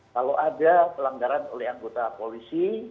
kalau ada pelanggaran oleh anggota polisi